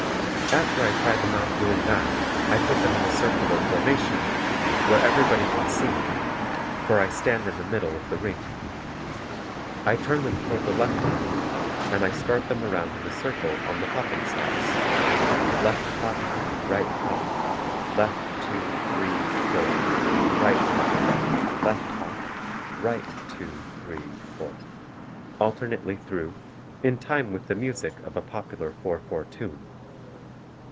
After I try them out doing that, I put them in a circular formation, where everybody can see me, for I stand in the middle of the ring. I turn them toward the left hand, and I start them around in a circle on the hopping steps; left hop, right hop, left, 2, 3, 4; right hop, left hop, right 2, 3, 4; alternately through, in time with the music of a popular 4/4 tune.